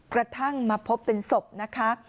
กระทั่งมาพบเป็นศพนะคะ